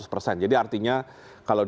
tiga ratus persen jadi artinya kalau